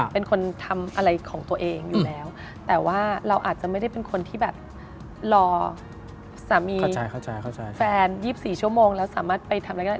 เป็นคนทำอะไรของตัวเองอยู่แล้วแต่ว่าเราอาจจะไม่ได้เป็นคนที่แบบรอสามีแฟน๒๔ชั่วโมงแล้วสามารถไปทำอะไรได้